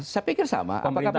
saya pikir sama pemerintah